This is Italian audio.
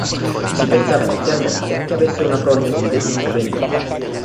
Si pensava inizialmente che avesse una prognosi del tutto benigna.